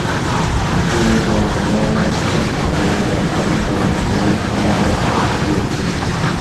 په تېره بیا زما او ستا تر مینځ راتګ او تلل باید پټ وي.